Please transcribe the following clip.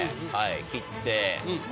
切って。